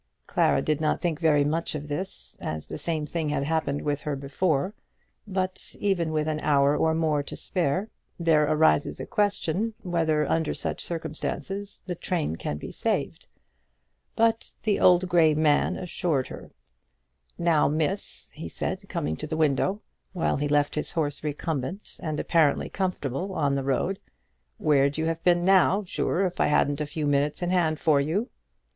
Clara did not think very much of this, as the same thing had happened with her before; but, even with an hour or more to spare, there arises a question whether under such circumstances the train can be saved. But the grey old man reassured her. "Now, miss," said he, coming to the window, while he left his horse recumbent and apparently comfortable on the road, "where'd you have been now, zure, if I hadn't a few minutes in hand for you?"